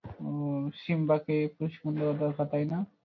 সিম্বাকে প্রশিক্ষণ দেওয়া দরকার, তাই না?